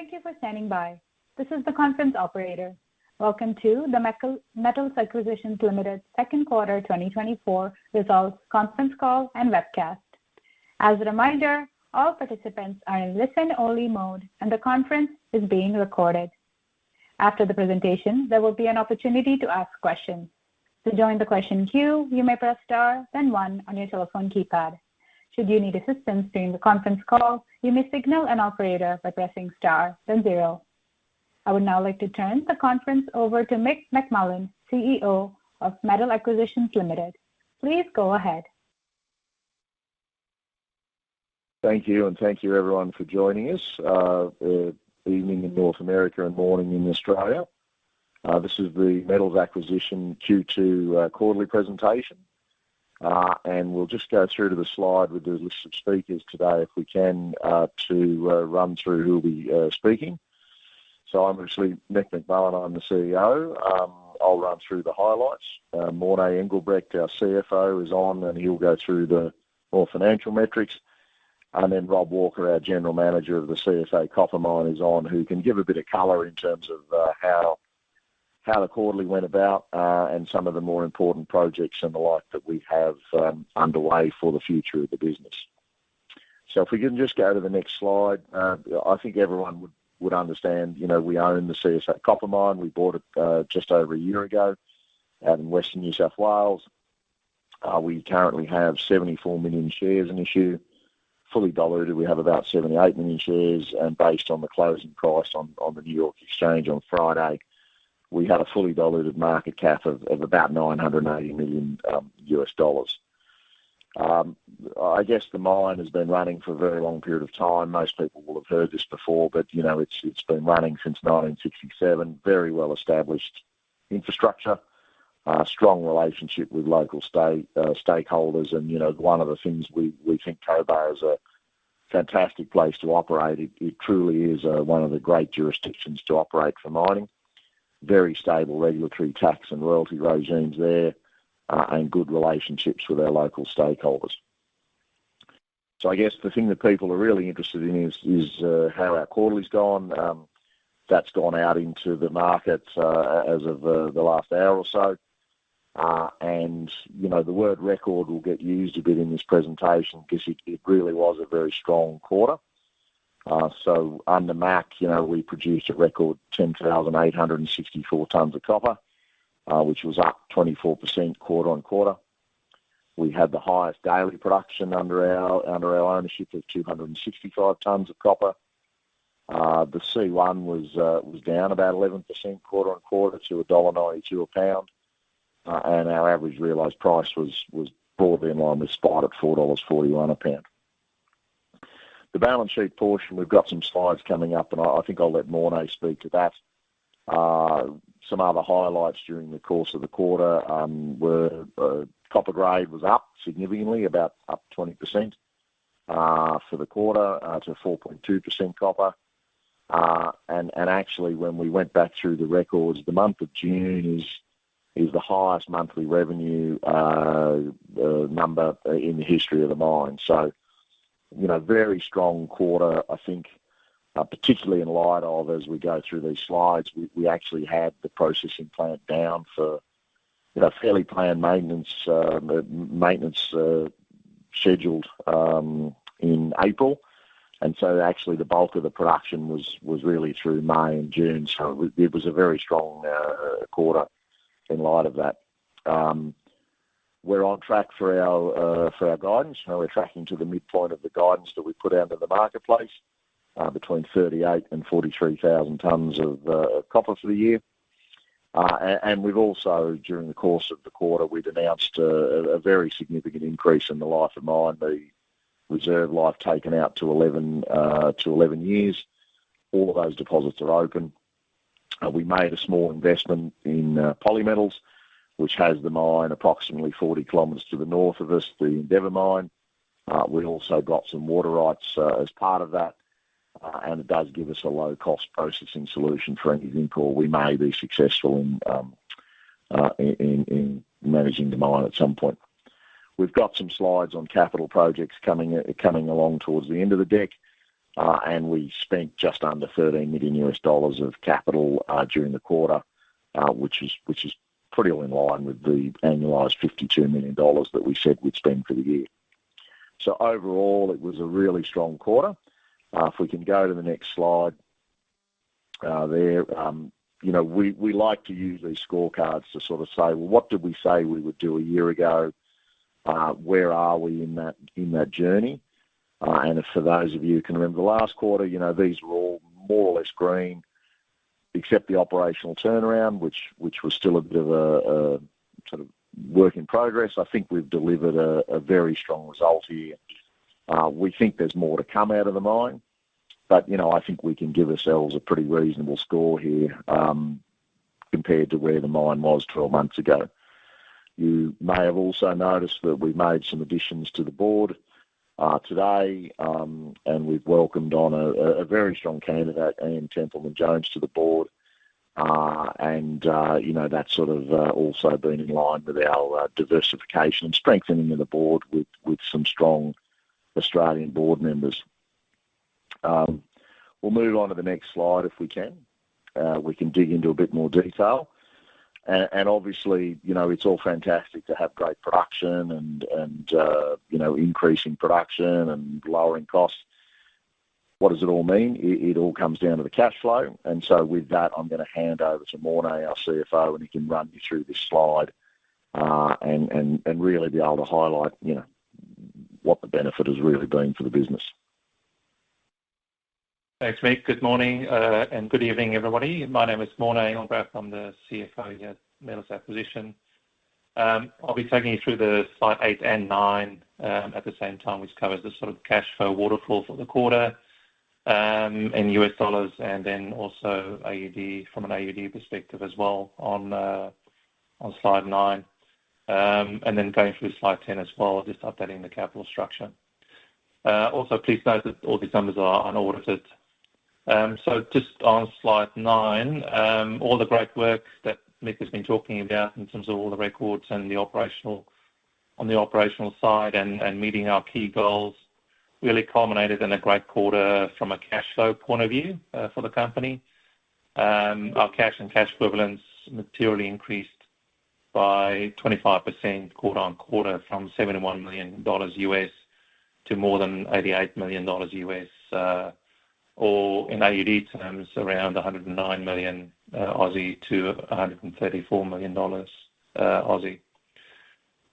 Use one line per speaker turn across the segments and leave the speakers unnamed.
Thank you for standing by. This is the conference operator. Welcome to the Metals Acquisition Limited second quarter 2024 results conference call and webcast. As a reminder, all participants are in listen-only mode, and the conference is being recorded. After the presentation, there will be an opportunity to ask questions. To join the question queue, you may press star, then one on your telephone keypad. Should you need assistance during the conference call, you may signal an operator by pressing star, then zero. I would now like to turn the conference over to Mick McMullen, CEO of Metals Acquisition Limited. Please go ahead.
Thank you, and thank you everyone for joining us. Good evening in North America and morning in Australia. This is the Metals Acquisition's Q2 quarterly presentation. We'll just go through to the slide with the list of speakers today if we can to run through who will be speaking. So I'm actually Mick McMullen. I'm the CEO. I'll run through the highlights. Morné Engelbrecht, our CFO, is on, and he'll go through the more financial metrics. Then Rob Walker, our general manager of the CSA Copper Mine, is on, who can give a bit of color in terms of how the quarterly went about and some of the more important projects and the like that we have underway for the future of the business. So if we can just go to the next slide, I think everyone would understand we own the CSA Copper Mine. We bought it just over a year ago out in Western New South Wales. We currently have 74 million shares in issue. Fully diluted, we have about 78 million shares. And based on the closing price on the New York Exchange on Friday, we had a fully diluted market cap of about $980 million. I guess the mine has been running for a very long period of time. Most people will have heard this before, but it's been running since 1967. Very well-established infrastructure, strong relationship with local stakeholders. And one of the things we think Cobar is a fantastic place to operate. It truly is one of the great jurisdictions to operate for mining. Very stable regulatory tax and royalty regimes there and good relationships with our local stakeholders. So I guess the thing that people are really interested in is how our quarterly's gone. That's gone out into the market as of the last hour or so. And the word record will get used a bit in this presentation because it really was a very strong quarter. So under MAC, we produced a record 10,864 tons of copper, which was up 24% quarter-over-quarter. We had the highest daily production under our ownership of 265 tons of copper. The C1 was down about 11% quarter-over-quarter to $1.92 a pound. And our average realized price was broadly in line with spot at $4.41 a pound. The balance sheet portion, we've got some slides coming up, and I think I'll let Morné speak to that. Some other highlights during the course of the quarter were copper grade was up significantly, about up 20% for the quarter to 4.2% copper. Actually, when we went back through the records, the month of June is the highest monthly revenue number in the history of the mine. So very strong quarter, I think, particularly in light of as we go through these slides, we actually had the processing plant down for fairly planned maintenance scheduled in April. And so actually, the bulk of the production was really through May and June. So it was a very strong quarter in light of that. We're on track for our guidance. We're tracking to the midpoint of the guidance that we put out into the marketplace between 38,000 and 43,000 tons of copper for the year. And we've also, during the course of the quarter, we've announced a very significant increase in the life of mine, the reserve life taken out to 11 years. All of those deposits are open. We made a small investment in Polymetals, which has the mine approximately 40 kilometers to the north of us, the Endeavor mine. We also got some water rights as part of that. And it does give us a low-cost processing solution for anything toll. We may be successful in managing the mine at some point. We've got some slides on capital projects coming along towards the end of the deck. And we spent just under $13 million of capital during the quarter, which is pretty well in line with the annualized $52 million that we said we'd spend for the year. So overall, it was a really strong quarter. If we can go to the next slide there, we like to use these scorecards to sort of say, well, what did we say we would do a year ago? Where are we in that journey? And for those of you who can remember the last quarter, these were all more or less green, except the operational turnaround, which was still a bit of a sort of work in progress. I think we've delivered a very strong result here. We think there's more to come out of the mine, but I think we can give ourselves a pretty reasonable score here compared to where the mine was 12 months ago. You may have also noticed that we've made some additions to the board today, and we've welcomed on a very strong candidate, Anne Templeman-Jones, to the board. And that's sort of also been in line with our diversification and strengthening of the board with some strong Australian board members. We'll move on to the next slide if we can. We can dig into a bit more detail. Obviously, it's all fantastic to have great production and increasing production and lowering costs. What does it all mean? It all comes down to the cash flow. And so with that, I'm going to hand over to Morné, our CFO, and he can run you through this slide and really be able to highlight what the benefit has really been for the business.
Thanks, Mick. Good morning and good evening, everybody. My name is Morné Engelbrecht. I'm the CFO here at Metals Acquisition. I'll be taking you through the slide 8 and 9 at the same time, which covers the sort of cash flow waterfall for the quarter in US dollars and then also from an AUD perspective as well on slide 9. And then going through slide 10 as well, just updating the capital structure. Also, please note that all these numbers are unaudited. So just on slide 9, all the great work that Mick has been talking about in terms of all the records and on the operational side and meeting our key goals really culminated in a great quarter from a cash flow point of view for the company. Our cash and cash equivalents materially increased by 25% quarter-on-quarter from $71 million to more than $88 million, or in AUD terms, around 109 million to 134 million dollars.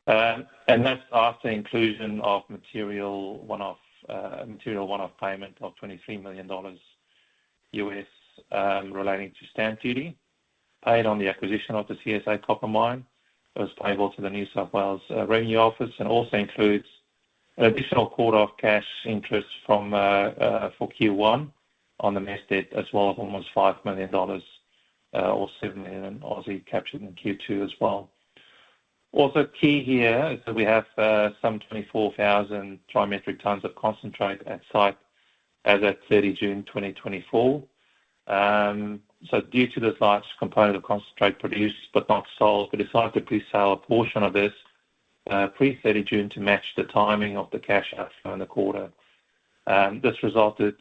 That's after inclusion of material one-off payment of $23 million relating to stamp duty paid on the acquisition of the CSA Copper Mine. It was payable to the New South Wales Revenue Office and also includes an additional quarter of cash interest for Q1 on the Mezz debt as well of almost $5 million or 7 million captured in Q2 as well. Also, key here is that we have some 24,000 metric tons of concentrate at site as of 30 June 2024. Due to the large component of concentrate produced but not sold, we decided to presell a portion of this pre-30 June to match the timing of the cash outflow in the quarter. This resulted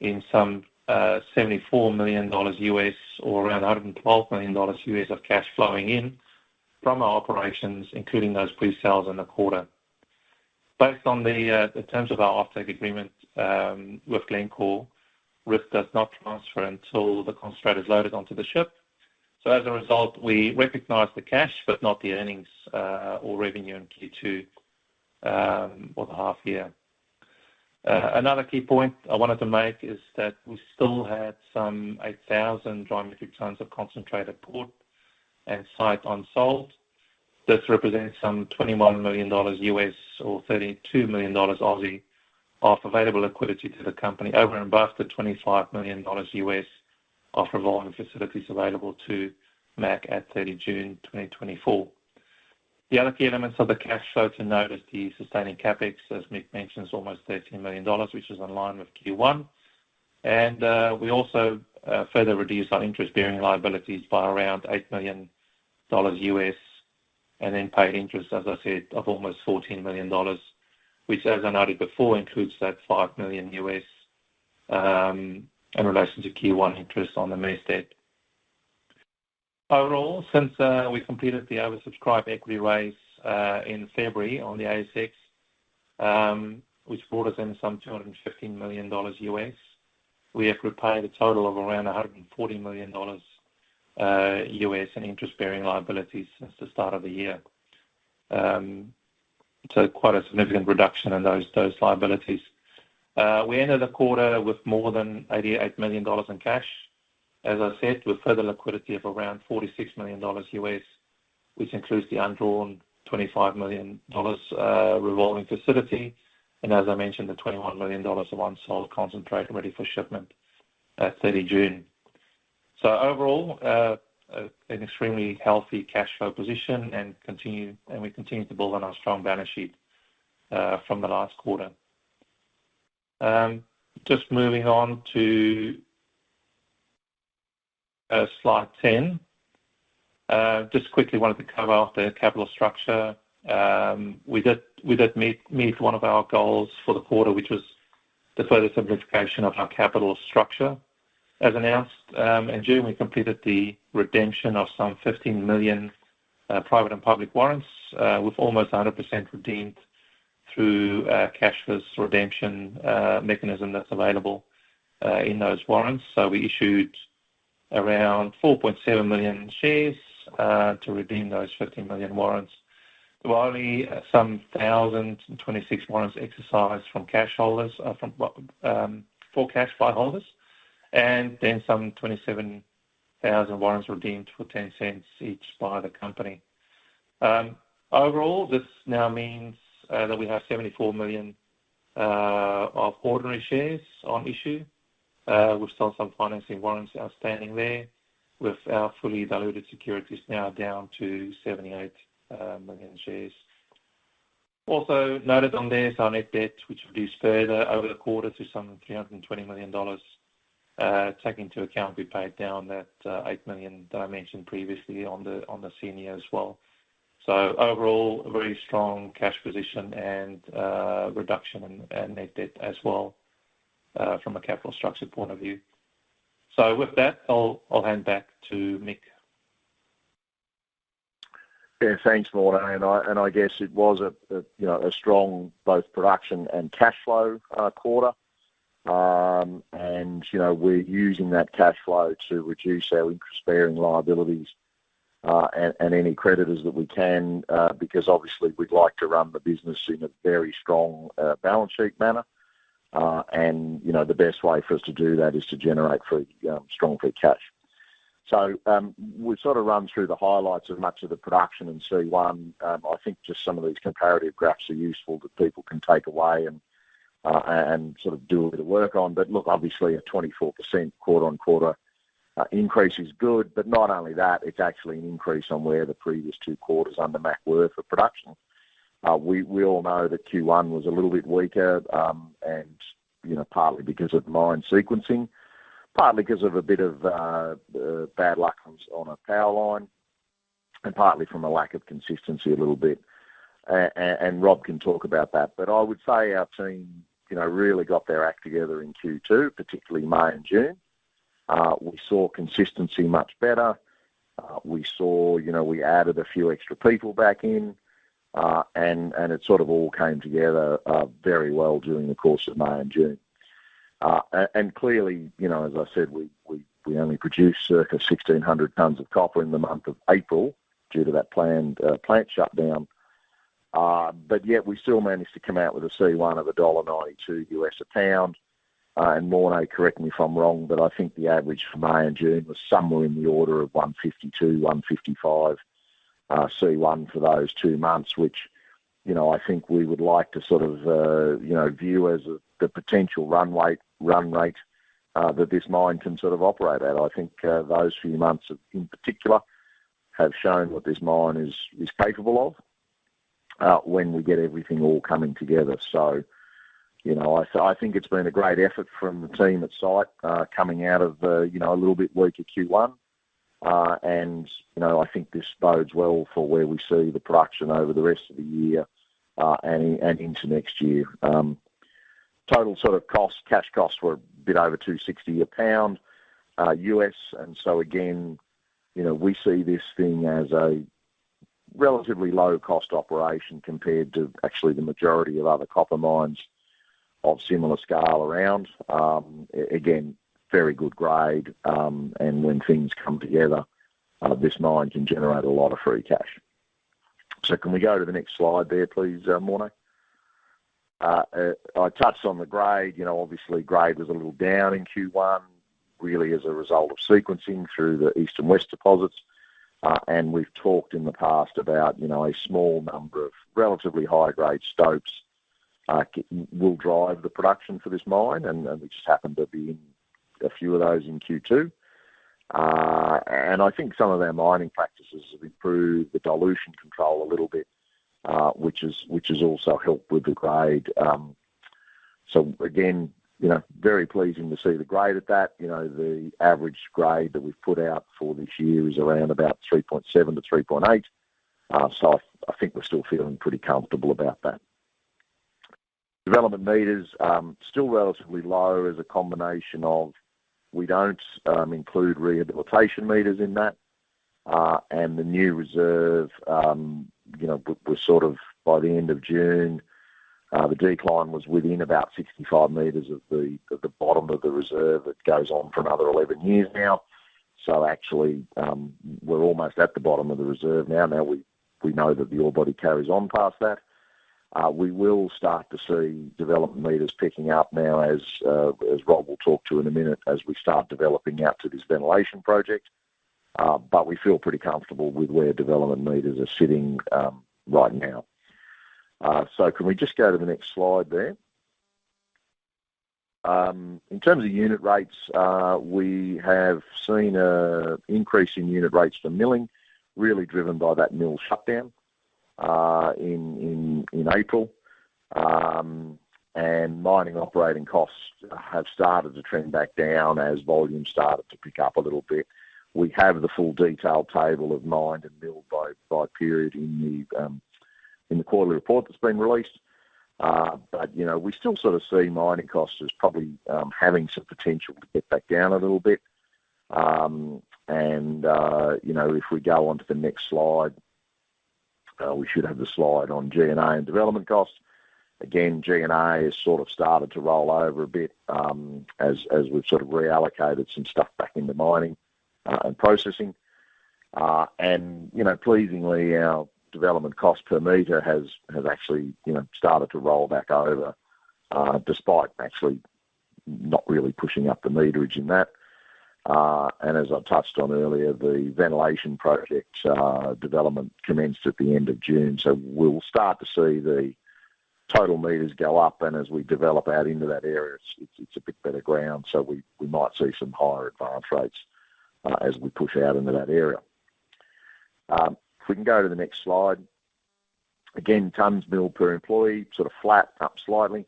in some $74 million or around $112 million of cash flowing in from our operations, including those presells in the quarter. Based on the terms of our offtake agreement with Glencore, risk does not transfer until the concentrate is loaded onto the ship. So as a result, we recognize the cash but not the earnings or revenue in Q2 or the half year. Another key point I wanted to make is that we still had some 8,000 metric tons of concentrate at port and site unsold. This represents some $21 million or 32 million dollars of available liquidity to the company over and above the $25 million of revolving facilities available to MAC at 30 June 2024. The other key elements of the cash flow to note is the sustaining CapEx, as Mick mentioned, is almost $13 million, which is in line with Q1. And we also further reduced our interest-bearing liabilities by around $8 million and then paid interest, as I said, of almost $14 million, which, as I noted before, includes that $5 million in relation to Q1 interest on the MES debt. Overall, since we completed the oversubscribed equity raise in February on the ASX, which brought us in some $215 million, we have repaid a total of around $140 million in interest-bearing liabilities since the start of the year. So quite a significant reduction in those liabilities. We ended the quarter with more than $88 million in cash, as I said, with further liquidity of around $46 million, which includes the undrawn $25 million revolving facility and, as I mentioned, the $21 million of unsold concentrate ready for shipment at 30 June. So overall, an extremely healthy cash flow position, and we continue to build on our strong balance sheet from the last quarter. Just moving on to slide 10. Just quickly, I wanted to cover off the capital structure. We did meet one of our goals for the quarter, which was the further simplification of our capital structure as announced. In June, we completed the redemption of some 15 million private and public warrants with almost 100% redeemed through cashless redemption mechanism that's available in those warrants. So we issued around 4.7 million shares to redeem those 15 million warrants. There were only some 1,026 warrants exercised from cash holders, from warrant holders, and then some 27,000 warrants redeemed for $0.10 each by the company. Overall, this now means that we have 74 million ordinary shares on issue. We've sold some financing warrants outstanding there, with our fully diluted securities now down to 78 million shares. Also noted on there is our net debt, which reduced further over the quarter to some $320 million, taking into account we paid down that $8 million that I mentioned previously on the senior as well. So overall, a very strong cash position and reduction in net debt as well from a capital structure point of view. So with that, I'll hand back to Mick.
Yeah, thanks, Morné. I guess it was a strong both production and cash flow quarter. We're using that cash flow to reduce our interest-bearing liabilities and any creditors that we can because, obviously, we'd like to run the business in a very strong balance sheet manner. The best way for us to do that is to generate strong free cash. We've sort of run through the highlights of much of the production in C1. I think just some of these comparative graphs are useful that people can take away and sort of do a bit of work on. But look, obviously, a 24% quarter-on-quarter increase is good, but not only that, it's actually an increase on where the previous two quarters under MAC were for production. We all know that Q1 was a little bit weaker, and partly because of mine sequencing, partly because of a bit of bad luck on a power line, and partly from a lack of consistency a little bit. Rob can talk about that. But I would say our team really got their act together in Q2, particularly May and June. We saw consistency much better. We saw we added a few extra people back in, and it sort of all came together very well during the course of May and June. And clearly, as I said, we only produced circa 1,600 tons of copper in the month of April due to that planned plant shutdown. But yet, we still managed to come out with a C1 of $1.92 USD a pound. And Morné, correct me if I'm wrong, but I think the average for May and June was somewhere in the order of $152 to $155 C1 for those two months, which I think we would like to sort of view as the potential run rate that this mine can sort of operate at. I think those few months in particular have shown what this mine is capable of when we get everything all coming together. So I think it's been a great effort from the team at site coming out of a little bit weaker Q1. And I think this bodes well for where we see the production over the rest of the year and into next year. Total sort of cash costs were a bit over $260 a pound. And so again, we see this thing as a relatively low-cost operation compared to actually the majority of other copper mines of similar scale around. Again, very good grade. And when things come together, this mine can generate a lot of free cash. So can we go to the next slide there, please, Morné? I touched on the grade. Obviously, grade was a little down in Q1, really as a result of sequencing through the east and west deposits. And we've talked in the past about a small number of relatively high-grade stopes will drive the production for this mine, and we just happened to be in a few of those in Q2. And I think some of their mining practices have improved the dilution control a little bit, which has also helped with the grade. So again, very pleasing to see the grade at that. The average grade that we've put out for this year is around 3.7 to 3.8. So I think we're still feeling pretty comfortable about that. Development meters still relatively low as a combination of we don't include rehabilitation meters in that. And the new reserve, we're sort of by the end of June, the decline was within about 65 meters of the bottom of the reserve that goes on for another 11 years now. So actually, we're almost at the bottom of the reserve now. Now we know that the ore body carries on past that. We will start to see development meters picking up now, as Rob will talk to you in a minute, as we start developing out to this ventilation project. But we feel pretty comfortable with where development meters are sitting right now. So can we just go to the next slide there? In terms of unit rates, we have seen an increase in unit rates for milling, really driven by that mill shutdown in April. Mining operating costs have started to trend back down as volume started to pick up a little bit. We have the full detailed table of mined and milled by period in the quarterly report that's been released. But we still sort of see mining costs as probably having some potential to get back down a little bit. If we go on to the next slide, we should have the slide on G&A and development costs. Again, G&A has sort of started to roll over a bit as we've sort of reallocated some stuff back into mining and processing. Pleasingly, our development cost per meter has actually started to roll back over despite actually not really pushing up the meterage in that. And as I touched on earlier, the ventilation project development commenced at the end of June. So we'll start to see the total meters go up. And as we develop out into that area, it's a bit better ground. So we might see some higher advance rates as we push out into that area. If we can go to the next slide. Again, tons milled per employee, sort of flat up slightly.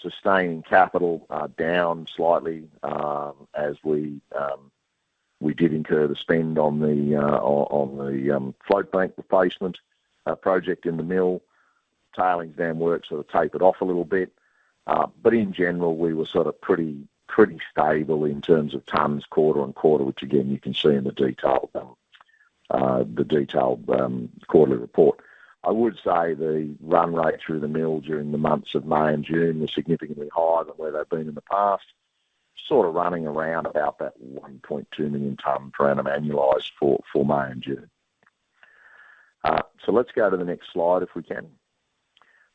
Sustaining capital down slightly as we did incur the spend on the float bank replacement project in the mill. Tailings downwards sort of tapered off a little bit. But in general, we were sort of pretty stable in terms of tons quarter-on-quarter, which again, you can see in the detailed quarterly report. I would say the run rate through the mill during the months of May and June was significantly higher than where they've been in the past, sort of running around about that 1.2 million tons random annualized for May and June. So let's go to the next slide if we can.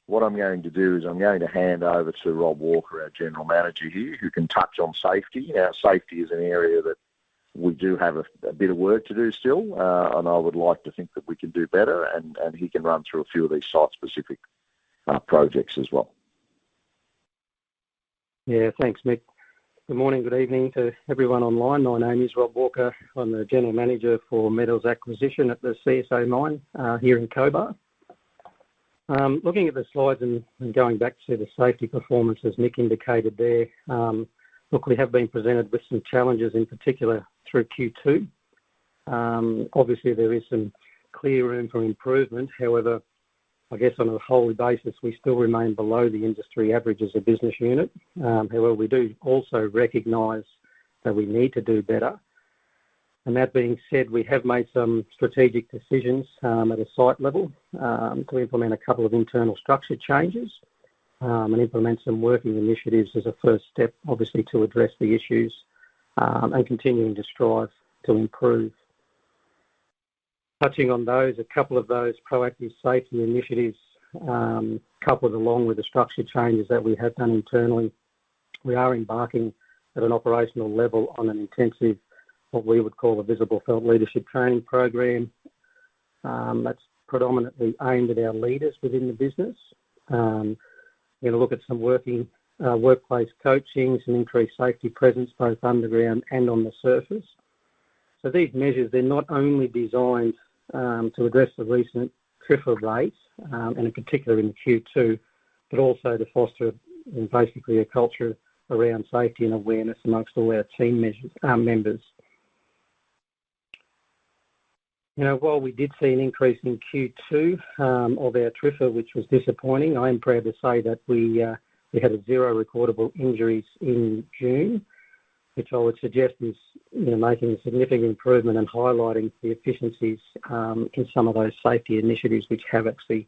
What I'm going to do is I'm going to hand over to Rob Walker, our General Manager here, who can touch on safety. Now, safety is an area that we do have a bit of work to do still, and I would like to think that we can do better. And he can run through a few of these site-specific projects as well.
Yeah, thanks, Mick. Good morning, good evening to everyone online. My name is Rob Walker. I'm the general manager for Metals Acquisition at the CSA Mine here in Cobar. Looking at the slides and going back to the safety performances Mick indicated there, look, we have been presented with some challenges in particular through Q2. Obviously, there is some clear room for improvement. However, I guess on a whole basis, we still remain below the industry averages of business unit. However, we do also recognize that we need to do better. And that being said, we have made some strategic decisions at a site level to implement a couple of internal structure changes and implement some working initiatives as a first step, obviously, to address the issues and continuing to strive to improve. Touching on those, a couple of those proactive safety initiatives coupled along with the structural changes that we have done internally, we are embarking at an operational level on an intensive, what we would call a visible field leadership training program that's predominantly aimed at our leaders within the business. We're going to look at some workplace coachings and increased safety presence both underground and on the surface. So these measures, they're not only designed to address the recent TRIFR rates and in particular in Q2, but also to foster basically a culture around safety and awareness among all our team members. While we did see an increase in Q2 of our TRIFR, which was disappointing, I am proud to say that we had zero recordable injuries in June, which I would suggest is making a significant improvement and highlighting the efficiencies in some of those safety initiatives which have actually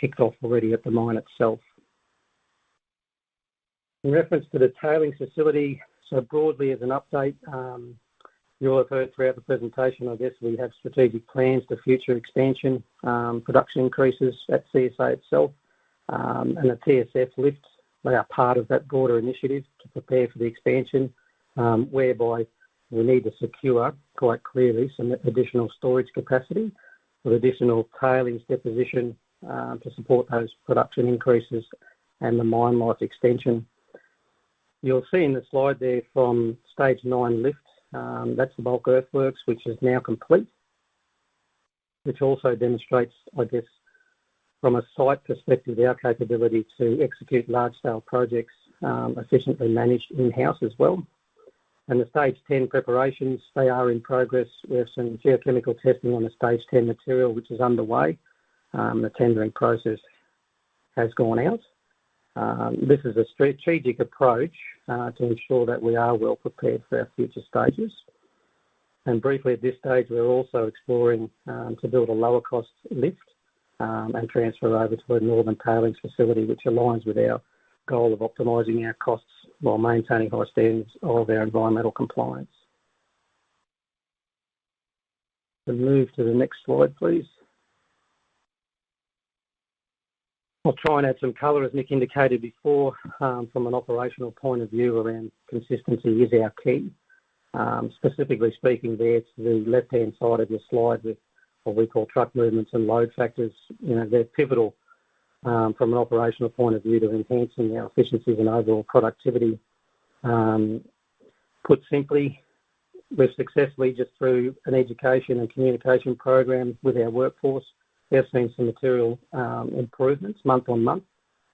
kicked off already at the mine itself. In reference to the tailings facility, so broadly as an update, you'll have heard throughout the presentation, I guess we have strategic plans for future expansion, production increases at CSA itself, and the TSF lift that are part of that broader initiative to prepare for the expansion whereby we need to secure quite clearly some additional storage capacity with additional tailings deposition to support those production increases and the mine life extension. You'll see in the slide there from stage 9 lift, that's the bulk earthworks, which is now complete, which also demonstrates, I guess, from a site perspective, our capability to execute large-scale projects efficiently managed in-house as well. The stage 10 preparations, they are in progress. We have some geochemical testing on the stage 10 material, which is underway. The tendering process has gone out. This is a strategic approach to ensure that we are well prepared for our future stages. Briefly at this stage, we're also exploring to build a lower-cost lift and transfer over to a northern tailings facility, which aligns with our goal of optimizing our costs while maintaining high standards of our environmental compliance. Move to the next slide, please. I'll try and add some color, as Mick indicated before, from an operational point of view, wherein consistency is our key. Specifically speaking, there's the left-hand side of the slide with what we call truck movements and load factors. They're pivotal from an operational point of view to enhancing our efficiencies and overall productivity. Put simply, we've successfully, just through an education and communication program with our workforce, we have seen some material improvements month-on-month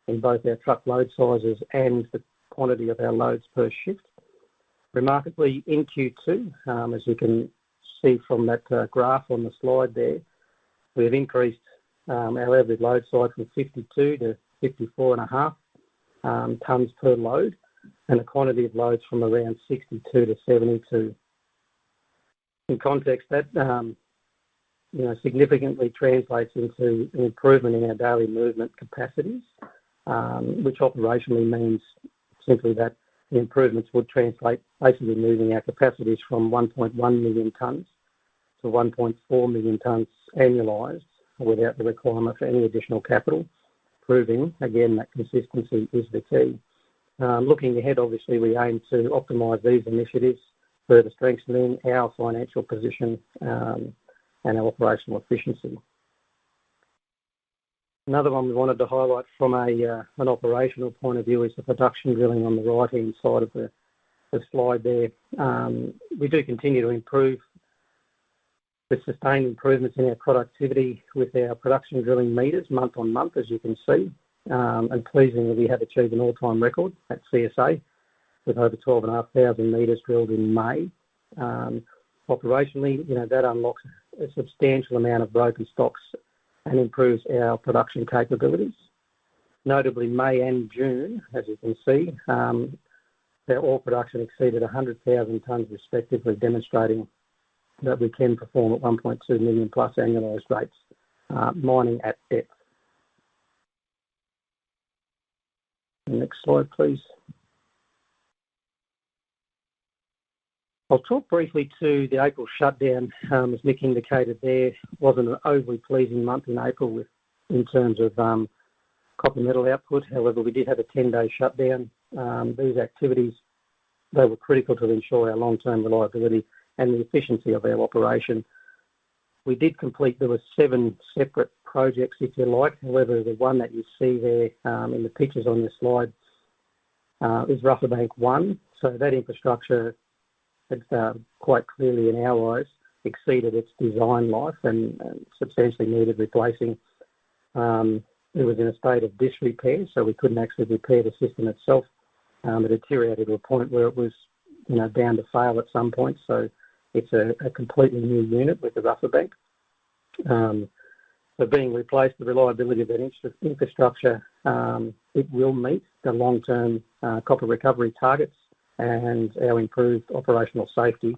in both our truck load sizes and the quantity of our loads per shift. Remarkably, in Q2, as you can see from that graph on the slide there, we have increased our average load size from 52 to 54.5 tons per load and a quantity of loads from around 62 to 72. In context, that significantly translates into an improvement in our daily movement capacities, which operationally means simply that the improvements would translate basically moving our capacities from 1.1 million tons to 1.4 million tons annualized without the requirement for any additional capital, proving, again, that consistency is the key. Looking ahead, obviously, we aim to optimize these initiatives for the strengthening of our financial position and our operational efficiency. Another one we wanted to highlight from an operational point of view is the production drilling on the right-hand side of the slide there. We do continue to improve. We've sustained improvements in our productivity with our production drilling meters month-on-month, as you can see. Pleasingly, we have achieved an all-time record at CSA with over 12,500 meters drilled in May. Operationally, that unlocks a substantial amount of broken stocks and improves our production capabilities. Notably, May and June, as you can see, their ore production exceeded 100,000 tons respectively, demonstrating that we can perform at 1.2 million plus annualized rates mining at depth. Next slide, please. I'll talk briefly to the April shutdown. As Mick indicated there, it wasn't an overly pleasing month in April in terms of copper metal output. However, we did have a 10-day shutdown. Those activities, they were critical to ensure our long-term reliability and the efficiency of our operation. We did complete there were seven separate projects, if you like. However, the one that you see there in the pictures on this slide is Raise Bank 1. So that infrastructure had quite clearly, in our eyes, exceeded its design life and substantially needed replacing. It was in a state of disrepair, so we couldn't actually repair the system itself. It deteriorated to a point where it was down to fail at some point. So it's a completely new unit with the flotation bank. So being replaced, the reliability of that infrastructure, it will meet the long-term copper recovery targets and our improved operational safety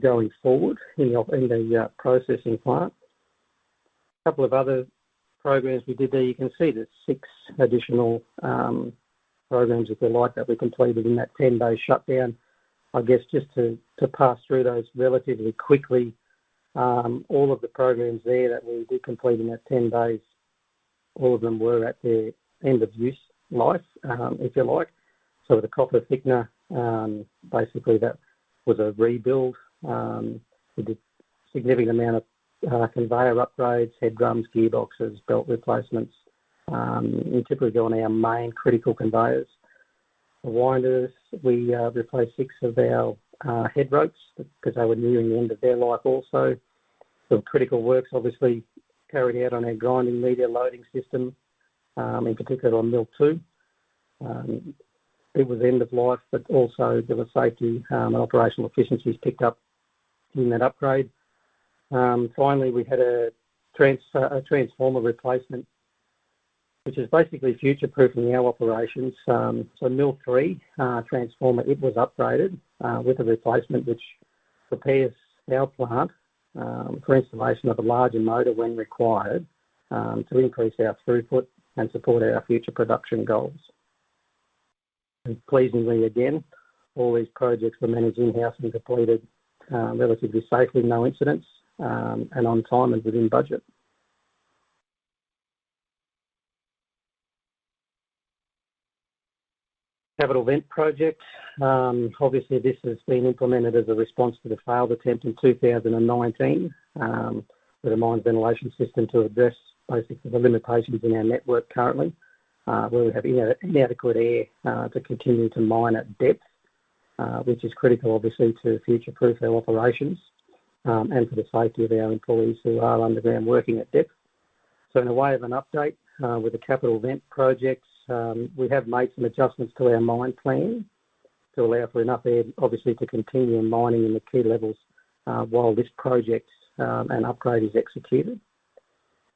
going forward in the processing plant. A couple of other programs we did there, you can see there's six additional programs, if you like, that we completed in that 10-day shutdown. I guess just to pass through those relatively quickly, all of the programs there that we did complete in that 10 days, all of them were at their end-of-use life, if you like. So with the copper thickener, basically, that was a rebuild. We did a significant amount of conveyor upgrades, head drums, gearboxes, belt replacements. We typically go on our main critical conveyors. For winders, we replaced six of our head ropes because they were nearing the end of their life also. Some critical works, obviously, carried out on our grinding media loading system, in particular on mill two. It was end-of-life, but also there were safety and operational efficiencies picked up in that upgrade. Finally, we had a transformer replacement, which is basically future-proofing our operations. So mill three transformer, it was upgraded with a replacement, which prepares our plant for installation of a larger motor when required to increase our throughput and support our future production goals. And pleasingly, again, all these projects were managed in-house and completed relatively safely, no incidents, and on time and within budget. Capital Vent project. Obviously, this has been implemented as a response to the failed attempt in 2019 with a mine ventilation system to address basically the limitations in our network currently, where we have inadequate air to continue to mine at depth, which is critical, obviously, to future-proof our operations and for the safety of our employees who are underground working at depth. So in a way of an update with the Capital Vent projects, we have made some adjustments to our mine plan to allow for enough air, obviously, to continue mining in the key levels while this project and upgrade is executed.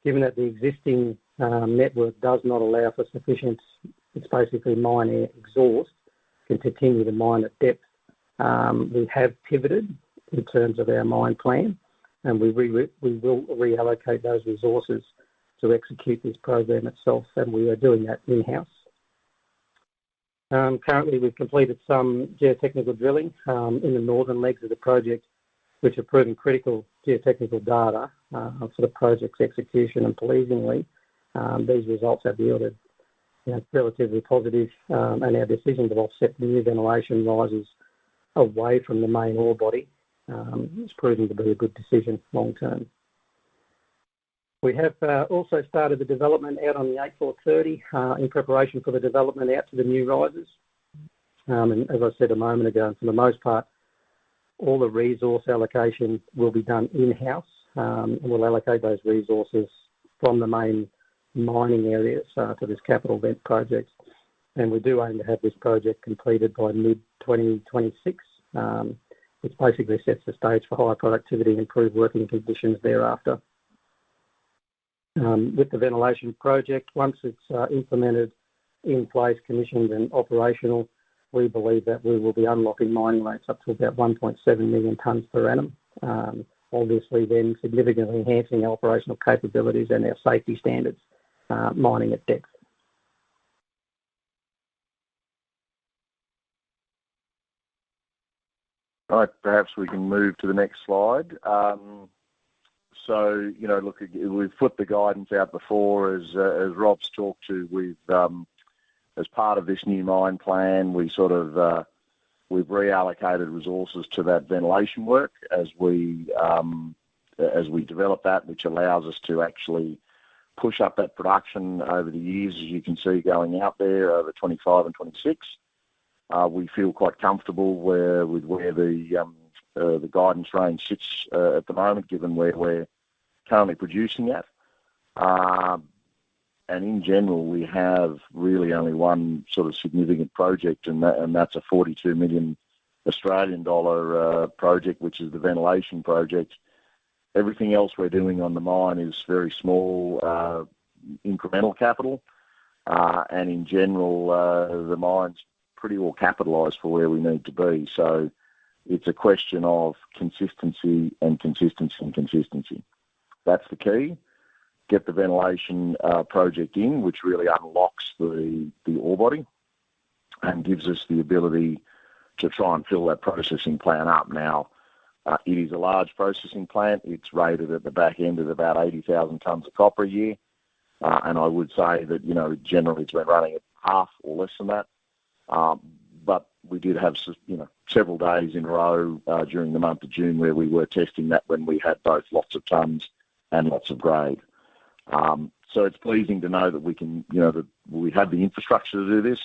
Given that the existing network does not allow for sufficient, basically, mine air exhaust to continue to mine at depth, we have pivoted in terms of our mine plan, and we will reallocate those resources to execute this program itself. And we are doing that in-house. Currently, we've completed some geotechnical drilling in the northern legs of the project, which have proven critical geotechnical data for the project's execution. Pleasingly, these results have yielded relatively positive, and our decision to offset new ventilation raises away from the main ore body is proving to be a good decision long-term. We have also started the development out on the 8430 in preparation for the development out to the new risers. As I said a moment ago, for the most part, all the resource allocation will be done in-house. We'll allocate those resources from the main mining areas for this Capital Vent project. We do aim to have this project completed by mid-2026. It basically sets the stage for higher productivity and improved working conditions thereafter. With the ventilation project, once it's implemented, in place, commissioned, and operational, we believe that we will be unlocking mining rates up to about 1.7 million tons per annum, obviously then significantly enhancing our operational capabilities and our safety standards mining at depth.
All right. Perhaps we can move to the next slide. So look, we've put the guidance out before. As Rob's talked to, as part of this new mine plan, we've reallocated resources to that ventilation work as we develop that, which allows us to actually push up that production over the years, as you can see going out there over 2025 and 2026. We feel quite comfortable with where the guidance range sits at the moment, given where we're currently producing at. In general, we have really only one sort of significant project, and that's a 42 million Australian dollar project, which is the ventilation project. Everything else we're doing on the mine is very small incremental capital. And in general, the mine's pretty well capitalized for where we need to be. So it's a question of consistency and consistency and consistency. That's the key. Get the ventilation project in, which really unlocks the ore body and gives us the ability to try and fill that processing plant up. Now, it is a large processing plant. It's rated at the back end of about 80,000 tons of copper a year. And I would say that generally, it's been running at half or less than that. But we did have several days in a row during the month of June where we were testing that when we had both lots of tons and lots of grade. So it's pleasing to know that we have the infrastructure to do this.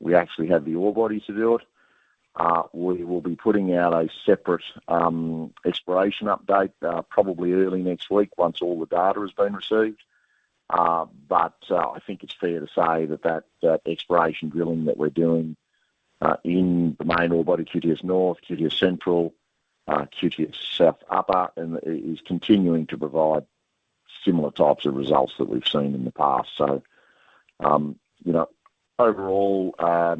We actually have the ore bodies to do it. We will be putting out a separate exploration update probably early next week once all the data has been received. But I think it's fair to say that exploration drilling that we're doing in the main ore body, QTS North, QTS Central, QTS South Upper, is continuing to provide similar types of results that we've seen in the past. So overall,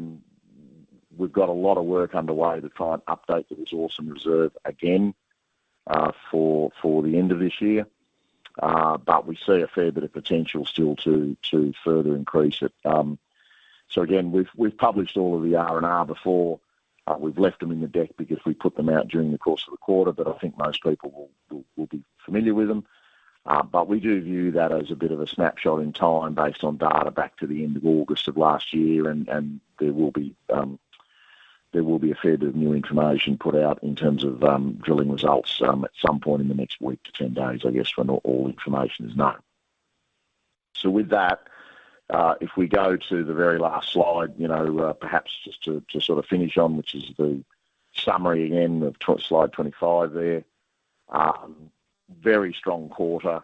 we've got a lot of work underway to try and update the resource and reserve again for the end of this year. But we see a fair bit of potential still to further increase it. So again, we've published all of the R&R before. We've left them in the deck because we put them out during the course of the quarter, but I think most people will be familiar with them. But we do view that as a bit of a snapshot in time based on data back to the end of August of last year. And there will be a fair bit of new information put out in terms of drilling results at some point in the next week to 10 days, I guess, when all information is known. So with that, if we go to the very last slide, perhaps just to sort of finish on, which is the summary again of slide 25 there. Very strong quarter.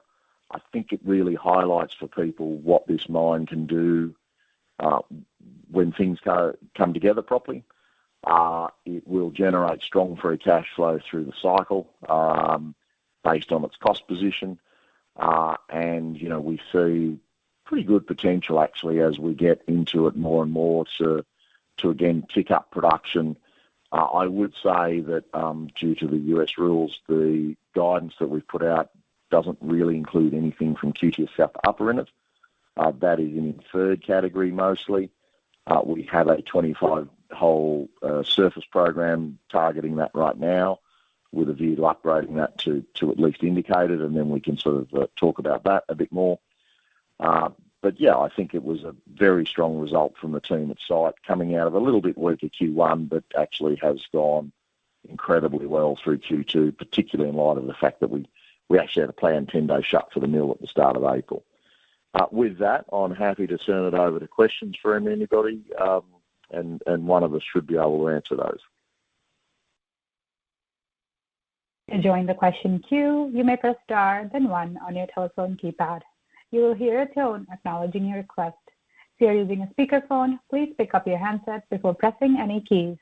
I think it really highlights for people what this mine can do when things come together properly. It will generate strong free cash flow through the cycle based on its cost position. And we see pretty good potential, actually, as we get into it more and more to again pick up production. I would say that due to the US rules, the guidance that we've put out doesn't really include anything from CSA South Upper in it. That is in the third category mostly. We have a 25-hole surface program targeting that right now with a view to upgrading that to at least indicated. And then we can sort of talk about that a bit more. But yeah, I think it was a very strong result from the team at site coming out of a little bit weaker Q1, but actually has gone incredibly well through Q2, particularly in light of the fact that we actually had a planned 10-day shut for the mill at the start of April. With that, I'm happy to turn it over to questions for anybody. One of us should be able to answer those.
Entering the question queue. You may press star then one on your telephone keypad. You will hear a tone acknowledging your request. If you are using a speakerphone, please pick up your handset before pressing any keys.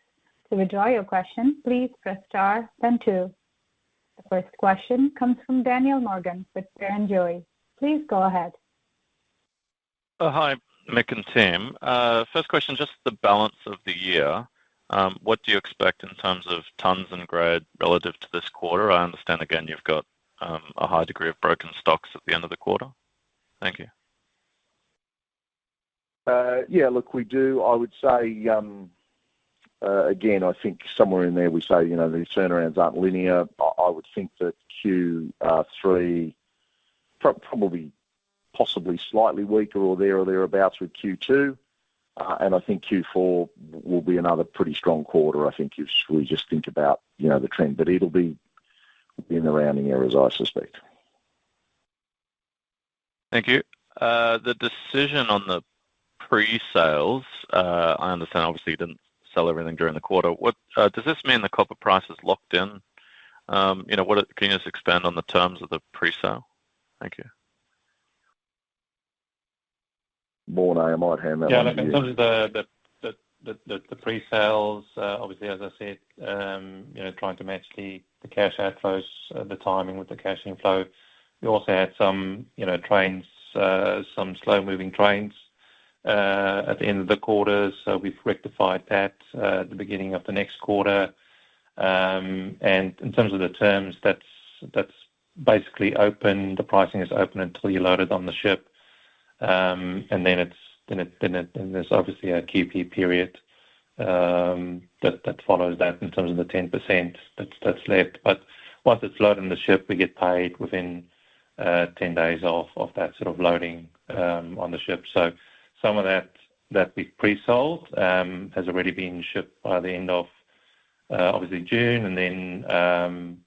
To withdraw your question, please press star then two. The first question comes from Daniel Morgan with Barrenjoey. Please go ahead.
Hi, Mick and team. First question, just the balance of the year. What do you expect in terms of tons and grade relative to this quarter? I understand, again, you've got a high degree of broken stocks at the end of the quarter. Thank you.
Yeah. Look, we do, I would say, again, I think somewhere in there we say the turnarounds aren't linear. I would think that Q3 probably possibly slightly weaker or there or thereabouts with Q2. And I think Q4 will be another pretty strong quarter, I think, if we just think about the trend. But it'll be in the rounding error, I suspect.
Thank you. The decision on the pre-sales, I understand, obviously, you didn't sell everything during the quarter. Does this mean the copper price is locked in? Can you just expand on the terms of the pre-sale? Thank you.
Morné, I might hand that over to you. Yeah. Look, in terms of the pre-sales, obviously, as I said, trying to match the cash outflows, the timing with the cash inflow. We also had some trains, some slow-moving trains at the end of the quarter. So we've rectified that at the beginning of the next quarter. And in terms of the terms, that's basically open. The pricing is open until you load it on the ship. And then there's obviously a QP period that follows that in terms of the 10% that's left. But once it's loaded on the ship, we get paid within 10 days of that sort of loading on the ship. So some of that that we've pre-sold has already been shipped by the end of, obviously, June. And then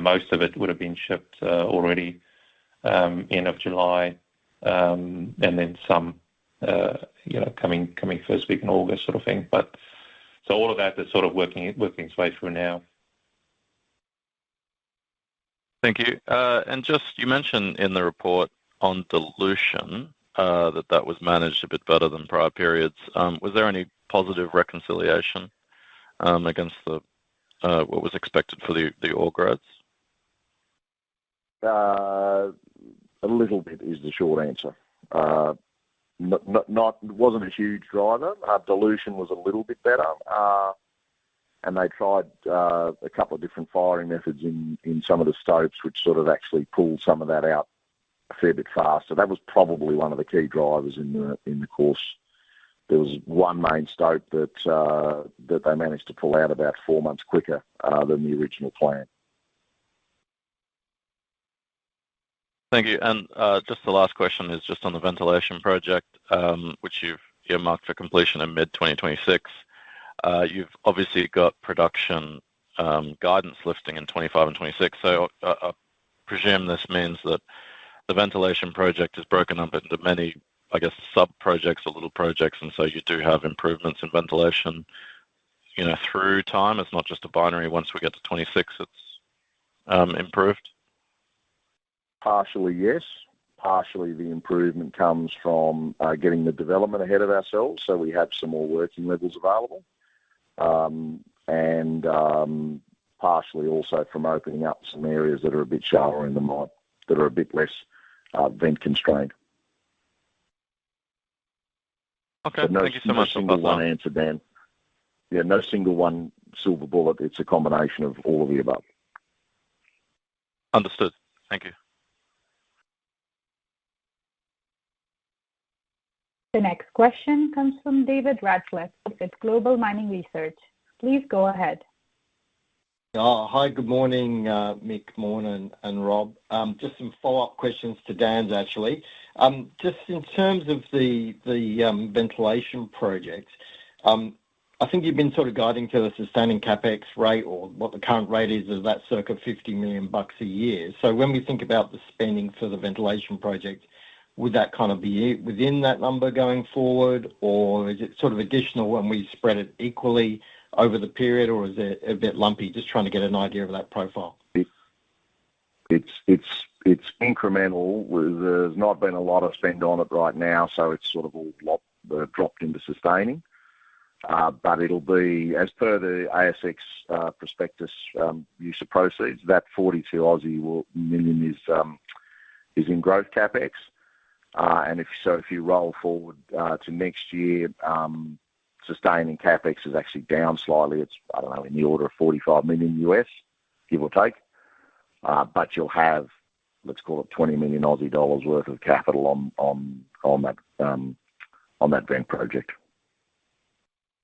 most of it would have been shipped already end of July. And then some coming first week in August sort of thing. But so all of that is sort of working its way through now.
Thank you. And just you mentioned in the report on dilution that that was managed a bit better than prior periods. Was there any positive reconciliation against what was expected for the ore grades?
A little bit is the short answer. It wasn't a huge driver. Dilution was a little bit better. And they tried a couple of different firing methods in some of the stopes, which sort of actually pulled some of that out a fair bit faster. That was probably one of the key drivers in the course. There was one main stope that they managed to pull out about 4 months quicker than the original plan.
Thank you. And just the last question is just on the ventilation project, which you've earmarked for completion in mid-2026. You've obviously got production guidance lifting in 2025 and 2026. So I presume this means that the ventilation project has broken up into many, I guess, sub-projects or little projects. And so you do have improvements in ventilation through time. It's not just a binary. Once we get to 2026, it's improved?
Partially, yes. Partially, the improvement comes from getting the development ahead of ourselves. So we have some more working levels available. And partially also from opening up some areas that are a bit shallower in the mine that are a bit less vent constrained. So no single one answer, Dan. Yeah. No single one silver bullet. It's a combination of all of the above.
Understood. Thank you.
The next question comes from David Radcliffe with Global Mining Research. Please go ahead.
Hi. Good morning, Mick, Morné, and Rob. Just some follow-up questions to Dan's, actually. Just in terms of the ventilation project, I think you've been sort of guiding to a sustaining CapEx rate or what the current rate is of that circa $50 million a year. So when we think about the spending for the ventilation project, would that kind of be within that number going forward? Or is it sort of additional when we spread it equally over the period? Or is it a bit lumpy? Just trying to get an idea of that profile.
It's incremental. There's not been a lot of spend on it right now. So it's sort of all dropped into sustaining. But it'll be, as per the ASX prospectus use of proceeds, that 42 million is in gross CapEx. And so if you roll forward to next year, sustaining CapEx has actually down slightly. It's, I don't know, in the order of $45 million, give or take. But you'll have, let's call it, 20 million Aussie dollars worth of capital on that vent project.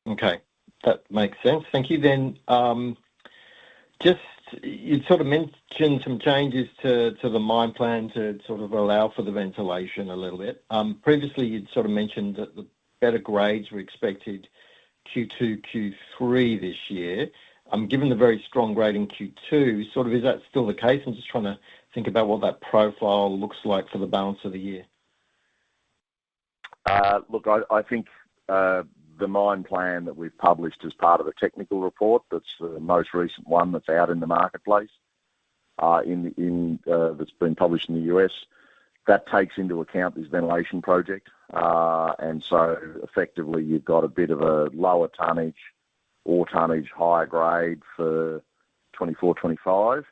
Okay. That makes sense. Thank you then. Just you'd sort of mentioned some changes to the mine plan to sort of allow for the ventilation a little bit. Previously, you'd sort of mentioned that the better grades were expected Q2, Q3 this year. Given the very strong grade in Q2, sort of is that still the case? I'm just trying to think about what that profile looks like for the balance of the year.
Look, I think the mine plan that we've published as part of the technical report, that's the most recent one that's out in the marketplace, that's been published in the US, that takes into account this ventilation project. And so effectively, you've got a bit of a lower tonnage, ore tonnage, higher grade for 2024, 2025.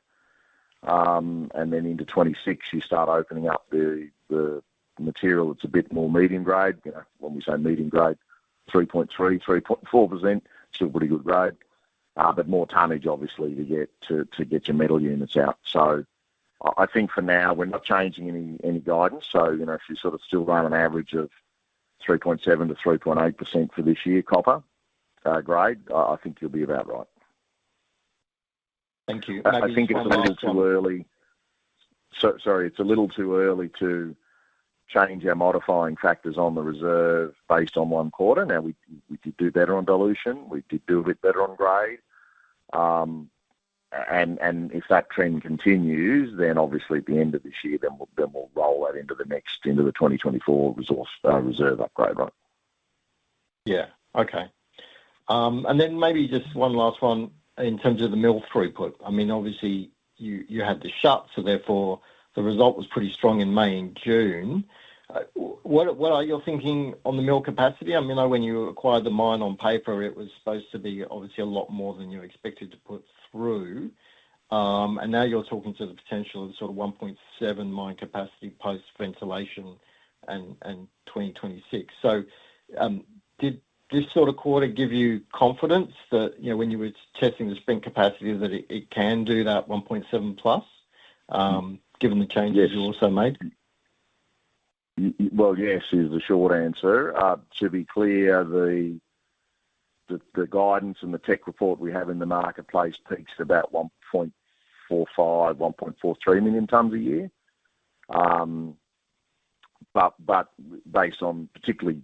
And then into 2026, you start opening up the material that's a bit more medium grade. When we say medium grade, 3.3% to 3.4%, still pretty good grade. But more tonnage, obviously, to get your metal units out. So I think for now, we're not changing any guidance. So if you sort of still run an average of 3.7% to 3.8% for this year copper grade, I think you'll be about right.
Thank you.
And I think it's a little too early. Sorry. It's a little too early to change our modifying factors on the reserve based on one quarter. Now, we did do better on dilution. We did do a bit better on grade. And if that trend continues, then obviously at the end of this year, then we'll roll that into the next into the 2024 reserve upgrade, right?
Yeah. Okay. And then maybe just one last one in terms of the mill throughput. I mean, obviously, you had the shuts. So therefore, the result was pretty strong in May and June. What are your thinking on the mill capacity? I mean, when you acquired the mine on paper, it was supposed to be obviously a lot more than you expected to put through. And now you're talking to the potential of sort of 1.7 mine capacity post-ventilation in 2026. So did this sort of quarter give you confidence that when you were testing the sprint capacity, that it can do that 1.7 plus given the changes you also made?
Well, yes, is the short answer. To be clear, the guidance and the tech report we have in the marketplace peaks about 1.45 to 1.43 million tons a year. But based on particularly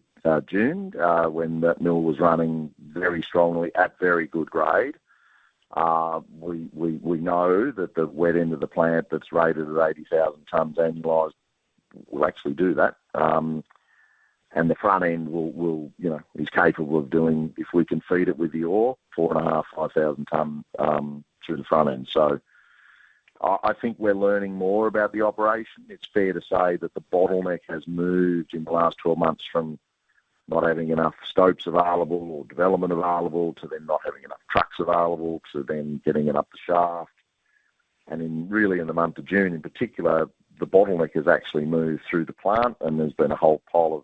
June, when that mill was running very strongly at very good grade, we know that the wet end of the plant that's rated at 80,000 tons annualized will actually do that. And the front end is capable of doing, if we can feed it with the ore, 4,500 to 5,000 tons through the front end. So I think we're learning more about the operation. It's fair to say that the bottleneck has moved in the last 12 months from not having enough stopes available or development available to then not having enough trucks available to then getting it up the shaft. And really in the month of June in particular, the bottleneck has actually moved through the plant. There's been a whole pile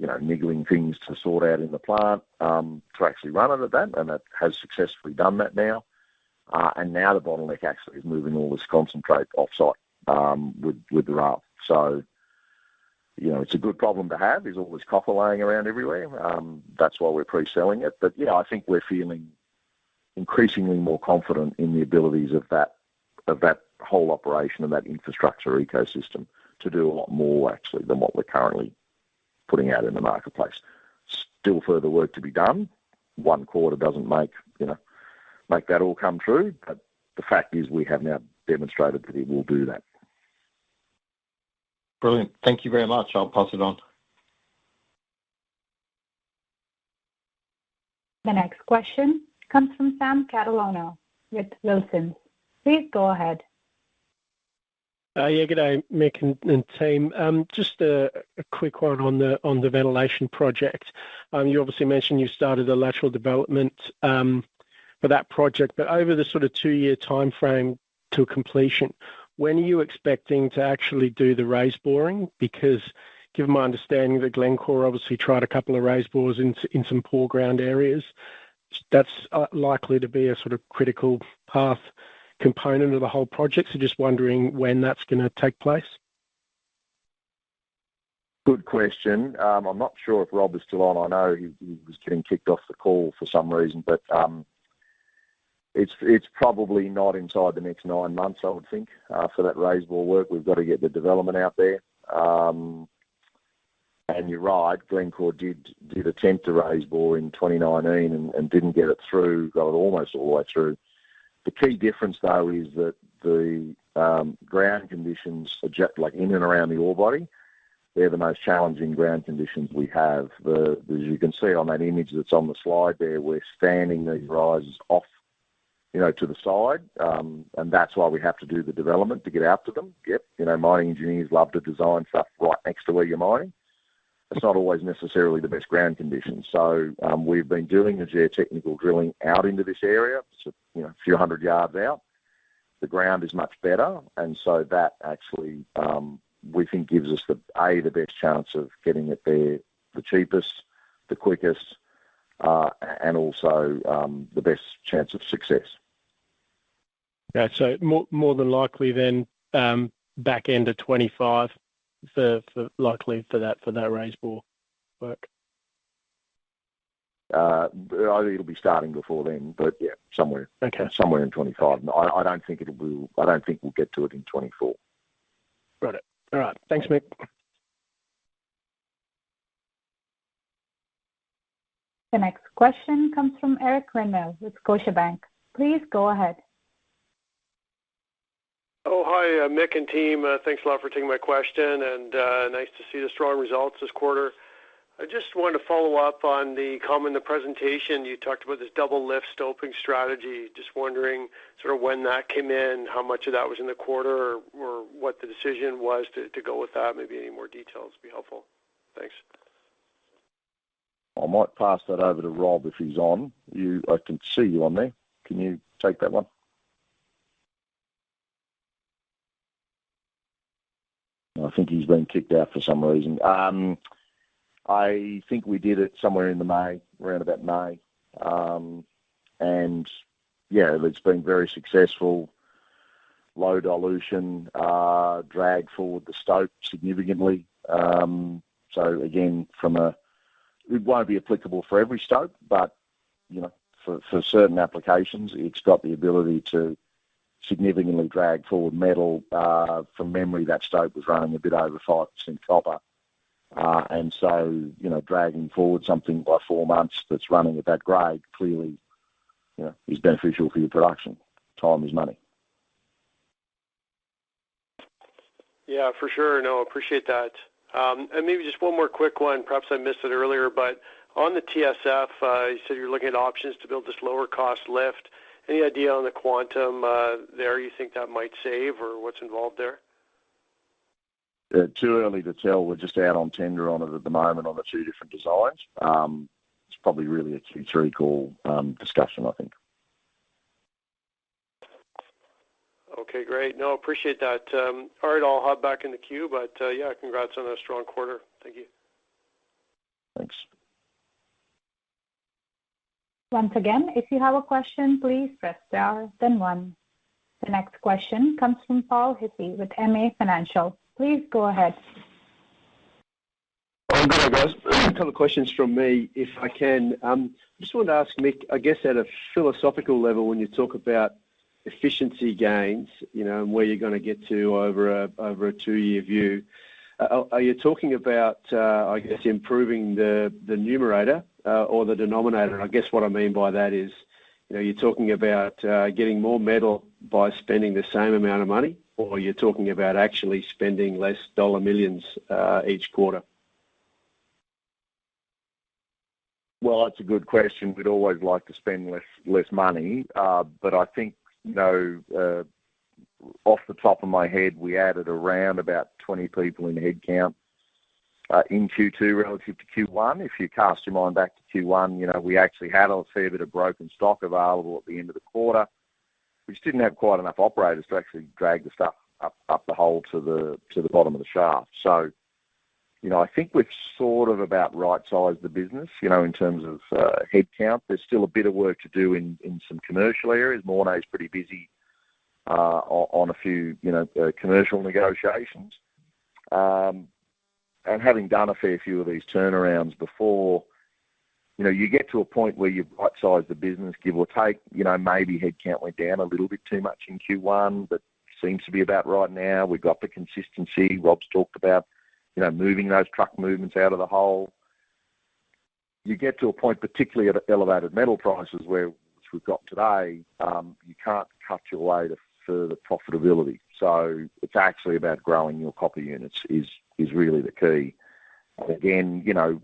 of niggling things to sort out in the plant to actually run it at that. It has successfully done that now. Now the bottleneck actually is moving all this concentrate offsite with the rough. So it's a good problem to have is all this copper lying around everywhere. That's why we're pre-selling it. But yeah, I think we're feeling increasingly more confident in the abilities of that whole operation and that infrastructure ecosystem to do a lot more actually than what we're currently putting out in the marketplace. Still further work to be done. One quarter doesn't make that all come true. But the fact is we have now demonstrated that it will do that.
Brilliant. Thank you very much. I'll pass it on.
The next question comes from Sam Catalano with Wilsons. Please go ahead.
Yeah. Good day, Mick and Tim. Just a quick one on the ventilation project. You obviously mentioned you started a lateral development for that project. But over the sort of 2 year timeframe to completion, when are you expecting to actually do the raised boring? Because given my understanding that Glencore obviously tried a couple of raised bores in some poor ground areas, that's likely to be a sort of critical path component of the whole project. So just wondering when that's going to take place.
Good question. I'm not sure if Rob is still on. I know he was getting kicked off the call for some reason. But it's probably not inside the next nine months, I would think, for that raised bore work. We've got to get the development out there. And you're right. Glencore did attempt a raised bore in 2019 and didn't get it through. Got it almost all the way through. The key difference, though, is that the ground conditions in and around the ore body, they're the most challenging ground conditions we have. As you can see on that image that's on the slide there, we're standing these rises off to the side. And that's why we have to do the development to get out to them. Yep. Mining engineers love to design stuff right next to where you're mining. It's not always necessarily the best ground conditions. So we've been doing the geotechnical drilling out into this area, a few hundred yards out. The ground is much better. And so that actually, we think, gives us, A, the best chance of getting it there the cheapest, the quickest, and also the best chance of success.
Yeah. So more than likely then back end of 2025 for likely for that raised bore work.
It'll be starting before then. But yeah, somewhere in 2025. I don't think it'll be. I don't think we'll get to it in 2024.
Got it. All right. Thanks, Mick.
The next question comes from Eric Lindnell with Scotiabank. Please go ahead.
Oh, hi, Mick and team. Thanks a lot for taking my question. And nice to see the strong results this quarter. I just wanted to follow up on the comment in the presentation. You talked about this double-lift stoping strategy. Just wondering sort of when that came in, how much of that was in the quarter, or what the decision was to go with that. Maybe any more details would be helpful. Thanks.
I might pass that over to Rob if he's on. I can see you on there. Can you take that one? I think he's been kicked out for some reason. I think we did it somewhere in May, around about May. Yeah, it's been very successful. Low dilution dragged forward the stopes significantly. So again, it won't be applicable for every stope, but for certain applications, it's got the ability to significantly drag forward metal. From memory, that stope was running a bit over 5% copper. And so dragging forward something by four months that's running at that grade clearly is beneficial for your production. Time is money.
Yeah. For sure. No, appreciate that. And maybe just one more quick one. Perhaps I missed it earlier. But on the TSF, you said you're looking at options to build this lower-cost lift. Any idea on the quantum there you think that might save or what's involved there?
Too early to tell. We'll just add a tender on it at the moment on the two different designs. It's probably really a Q3 call discussion, I think.
Okay. Great. No, appreciate that. All right. I'll hop back in the queue. But yeah, congrats on a strong quarter. Thank you.
Thanks.
Once again, if you have a question, please press star, then one. The next question comes from Paul Hickey with MA Financial. Please go ahead.
I'm good, I guess. A couple of questions from me, if I can. I just wanted to ask Mick, I guess at a philosophical level, when you talk about efficiency gains and where you're going to get to over a two-year view, are you talking about, I guess, improving the numerator or the denominator? And I guess what I mean by that is you're talking about getting more metal by spending the same amount of money, or you're talking about actually spending less dollar millions each quarter?
Well, that's a good question. We'd always like to spend less money. But I think, no, off the top of my head, we added around about 20 people in headcount in Q2 relative to Q1. If you cast your mind back to Q1, we actually had a fair bit of broken stock available at the end of the quarter. We just didn't have quite enough operators to actually drag the stuff up the hole to the bottom of the shaft. So I think we've sort of about right-sized the business in terms of headcount. There's still a bit of work to do in some commercial areas. Morné is pretty busy on a few commercial negotiations. And having done a fair few of these turnarounds before, you get to a point where you've right-sized the business, give or take. Maybe headcount went down a little bit too much in Q1, but seems to be about right now. We've got the consistency. Rob's talked about moving those truck movements out of the hole. You get to a point, particularly at elevated metal prices where we've got today, you can't cut your way to further profitability. So it's actually about growing your copper units is really the key. And again,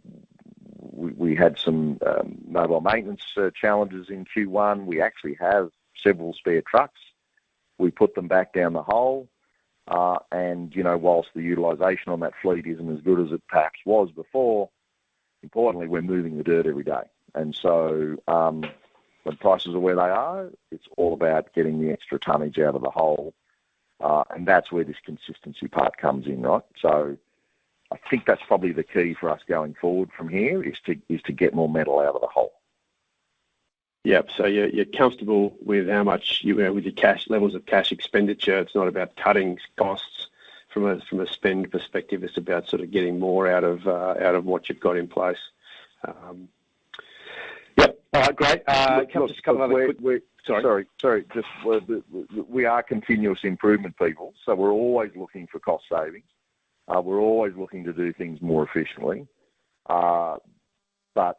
we had some mobile maintenance challenges in Q1. We actually have several spare trucks. We put them back down the hole. And whilst the utilization on that fleet isn't as good as it perhaps was before, importantly, we're moving the dirt every day. And so when prices are where they are, it's all about getting the extra tonnage out of the hole. And that's where this consistency part comes in, right? So I think that's probably the key for us going forward from here is to get more metal out of the hole.
Yep. So you're comfortable with how much with your cash levels of cash expenditure. It's not about cutting costs from a spend perspective. It's about sort of getting more out of what you've got in place.
Yep. All right. Great. Can't just cover the work. Just we are continuous improvement people. So we're always looking for cost savings. We're always looking to do things more efficiently. But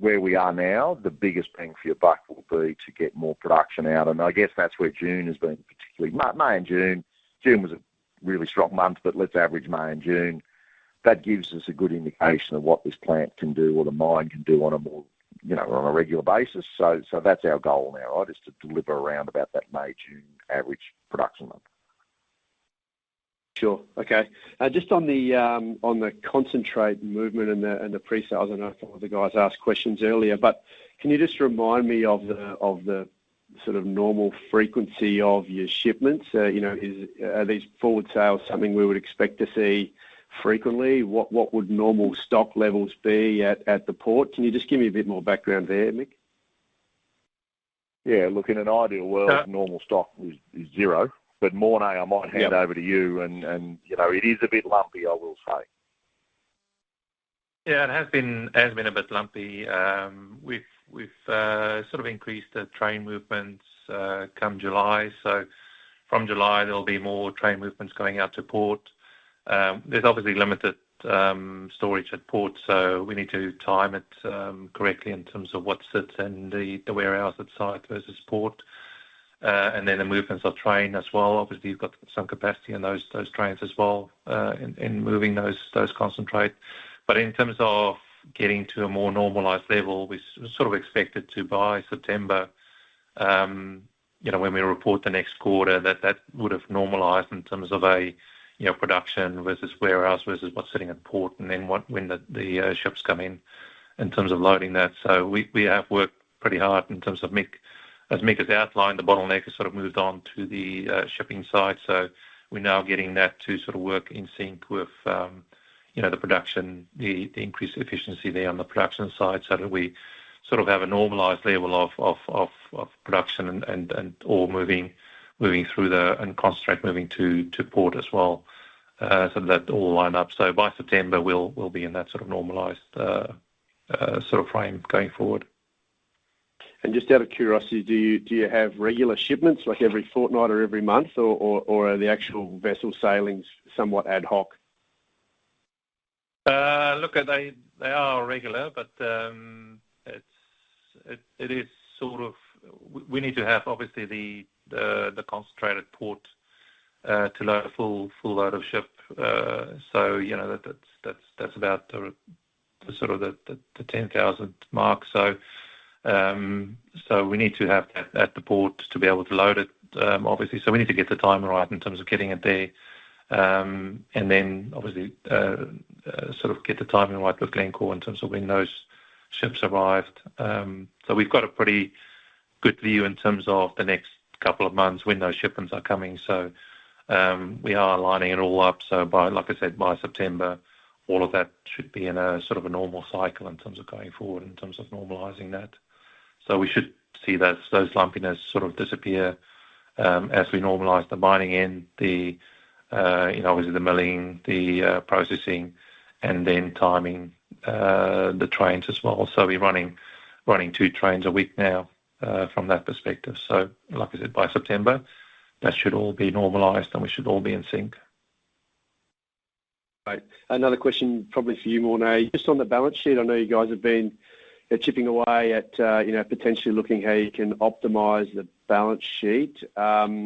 where we are now, the biggest bang for your buck will be to get more production out. And I guess that's where June has been particularly May and June. June was a really strong month, but let's average May and June. That gives us a good indication of what this plant can do or the mine can do on a more regular basis. So that's our goal now, right? Is to deliver around about that May, June average production month.
Sure. Okay. Just on the concentrate movement and the pre-sales, I know a couple of the guys asked questions earlier. But can you just remind me of the sort of normal frequency of your shipments? Are these forward sales something we would expect to see frequently? What would normal stock levels be at the port? Can you just give me a bit more background there, Mick?
Yeah. Look, in an ideal world, normal stock is zero. But Morné, I might hand over to you. And it is a bit lumpy, I will say.
Yeah. It has been a bit lumpy. We've sort of increased the train movements come July. So from July, there'll be more train movements going out to port. There's obviously limited storage at port. So we need to time it correctly in terms of what's at the warehouse at site versus port. And then the movements of train as well. Obviously, you've got some capacity in those trains as well in moving those concentrate. But in terms of getting to a more normalized level, we sort of expected to by September, when we report the next quarter, that that would have normalized in terms of production versus warehouse versus what's sitting at port and then when the ships come in in terms of loading that. So we have worked pretty hard in terms of Mick. As Mick has outlined, the bottleneck has sort of moved on to the shipping side. So we're now getting that to sort of work in sync with the production, the increased efficiency there on the production side so that we sort of have a normalized level of production and all moving through and concentrate moving to port as well so that all line up. So by September, we'll be in that sort of normalized sort of frame going forward.
And just out of curiosity, do you have regular shipments like every fortnight or every month, or are the actual vessel sailings somewhat ad hoc?
Look, they are regular, but it is sort of we need to have, obviously, the concentrate at port to load a full load of ship. So that's about sort of the 10,000 mark. So we need to have that at the port to be able to load it, obviously. So we need to get the time right in terms of getting it there. And then, obviously, sort of get the timing right with Glencore in terms of when those ships arrived. So we've got a pretty good view in terms of the next couple of months when those shipments are coming. So we are lining it all up. So like I said, by September, all of that should be in a sort of a normal cycle in terms of going forward in terms of normalizing that. So we should see those lumpiness sort of disappear as we normalize the mining end, obviously the milling, the processing, and then timing the trains as well. So we're running two trains a week now from that perspective. So like I said, by September, that should all be normalized, and we should all be in sync.
Right. Another question probably for you, Morné. Just on the balance sheet, I know you guys have been chipping away at potentially looking how you can optimize the balance sheet. How's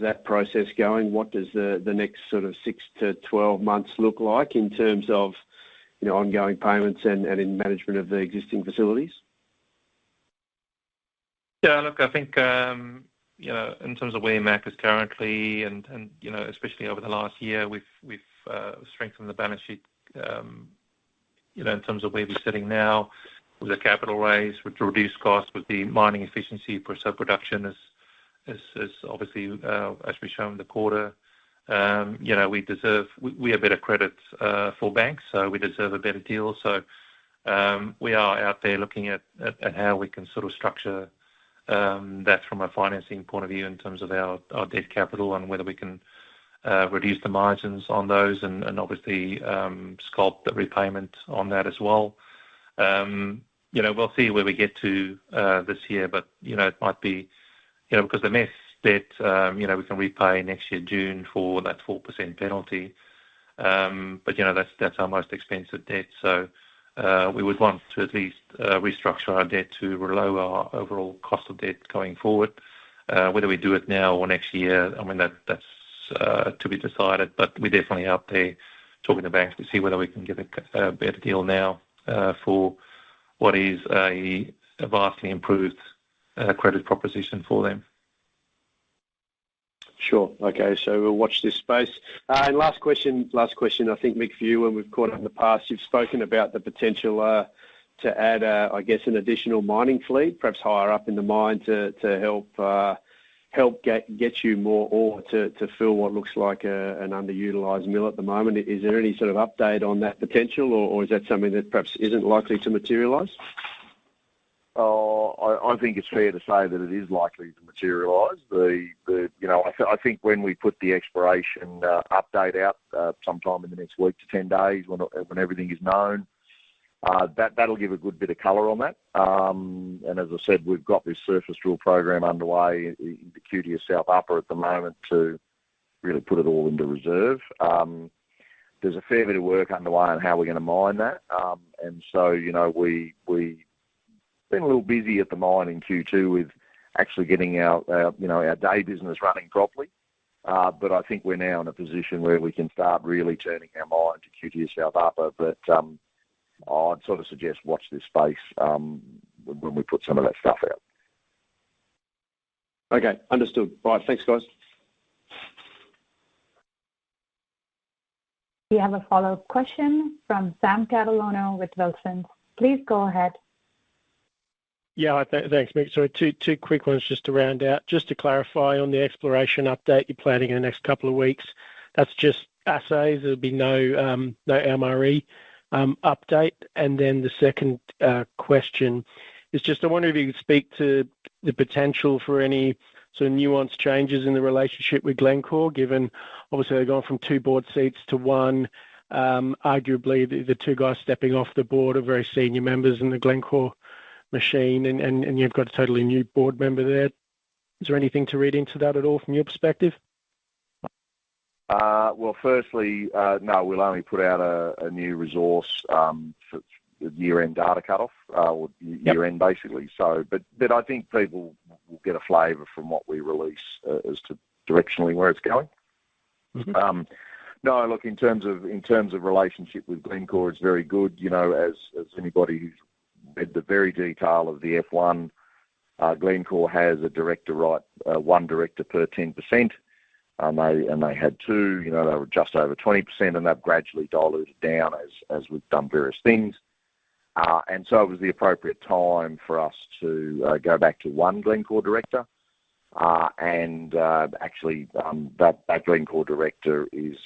that process going? What does the next sort of 6 to 12 months look like in terms of ongoing payments and in management of the existing facilities?
Yeah. Look, I think in terms of where MAC is currently, and especially over the last year, we've strengthened the balance sheet in terms of where we're sitting now with a capital raise to reduce costs with the mining efficiency for copper production as obviously as we show in the quarter. We have better credit for banks, so we deserve a better deal. So we are out there looking at how we can sort of structure that from a financing point of view in terms of our debt capital and whether we can reduce the margins on those and obviously sculpt the repayment on that as well. We'll see where we get to this year, but it might be, because the MAC debt, we can repay next year, June, for that 4% penalty. But that's our most expensive debt. So we would want to at least restructure our debt to lower our overall cost of debt going forward. Whether we do it now or next year, I mean, that's to be decided. But we're definitely out there talking to banks to see whether we can get a better deal now for what is a vastly improved credit proposition for them.
Sure. Okay. So we'll watch this space. And last question, I think, Mick, for you. And we've caught up in the past. You've spoken about the potential to add, I guess, an additional mining fleet, perhaps higher up in the mine to help get you more or to fill what looks like an underutilized mill at the moment. Is there any sort of update on that potential, or is that something that perhaps isn't likely to materialize?
I think it's fair to say that it is likely to materialize. I think when we put the exploration update out sometime in the next week to 10 days when everything is known, that'll give a good bit of color on that. And as I said, we've got this surface drill program underway in the QTS South Upper at the moment to really put it all into reserve. There's a fair bit of work underway on how we're going to mine that. And so we've been a little busy at the mine in Q2 with actually getting our day business running properly. But I think we're now in a position where we can start really turning our mine to QDS Southupper. But I'd sort of suggest watch this space when we put some of that stuff out.
Okay. Understood. All right. Thanks, guys.
We have a follow-up question from Sam Catalano with Wilsons. Please go ahead.
Yeah. Thanks, Mick. Sorry. Two quick ones just to round out. Just to clarify on the exploration update you're planning in the next couple of weeks, that's just assays. There'll be no MRE update. And then the second question is just I wonder if you could speak to the potential for any sort of nuanced changes in the relationship with Glencore, given obviously they've gone from two board seats to one. Arguably, the two guys stepping off the board are very senior members in the Glencore machine, and you've got a totally new board member there. Is there anything to read into that at all from your perspective?
Well, firstly, no, we'll only put out a new resource for the year-end data cutoff, year-end, basically. But I think people will get a flavor from what we release as to directionally where it's going. No, look, in terms of relationship with Glencore, it's very good. As anybody who's read the very detail of the F-1, Glencore has a director, right, one director per 10%. And they had two. They were just over 20%, and that gradually diluted down as we've done various things. So it was the appropriate time for us to go back to one Glencore director. Actually, that Glencore director is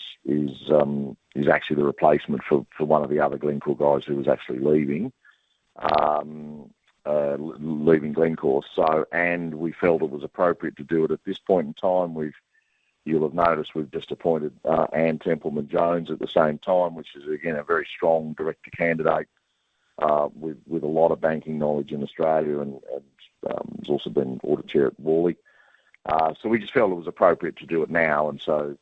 actually the replacement for one of the other Glencore guys who was actually leaving Glencore. We felt it was appropriate to do it at this point in time. You'll have noticed we've just appointed Anne Templeman-Jones at the same time, which is, again, a very strong director candidate with a lot of banking knowledge in Australia and has also been auditor at Worley. We just felt it was appropriate to do it now. So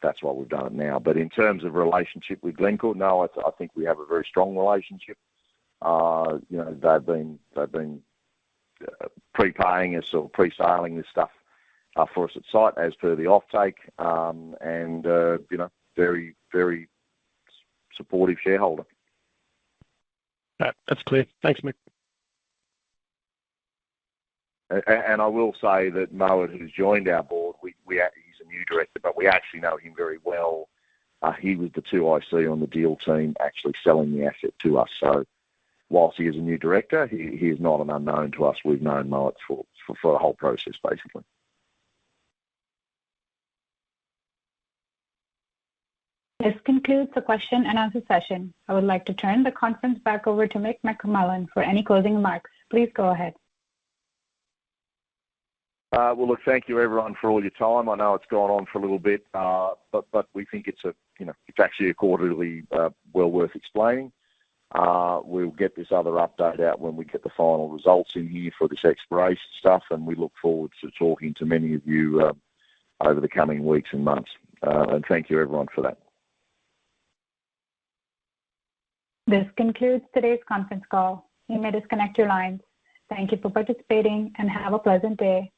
that's why we've done it now. But in terms of relationship with Glencore, no, I think we have a very strong relationship. They've been pre-paying us or pre-selling this stuff for us at site as per the offtake and very, very supportive shareholder.
That's clear. Thanks, Mick.
I will say that Mowat, who's joined our board, he's a new director, but we actually know him very well. He was the 2IC on the deal team actually selling the asset to us. So while he is a new director, he is not an unknown to us. We've known Mowat for the whole process, basically.
This concludes the question and answer session. I would like to turn the conference back over to Mick McMullen for any closing remarks. Please go ahead.
Well, look, thank you, everyone, for all your time. I know it's gone on for a little bit, but we think it's actually a quarter well worth explaining. We'll get this other update out when we get the final results in here for this exploration stuff. We look forward to talking to many of you over the coming weeks and months. Thank you, everyone, for that.
This concludes today's conference call. You may disconnect your lines. Thank you for participating and have a pleasant day.